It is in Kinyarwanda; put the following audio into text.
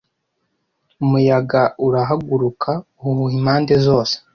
umuyaga urahaguruka uhuha impande zose